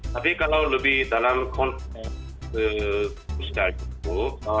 tapi kalau lebih dalam konsep musikal itu